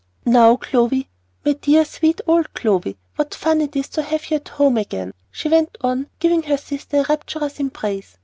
"Now, Clovy, my dear, sweet old Clovy, what fun it is to have you at home again!" she went on, giving her sister a rapturous embrace.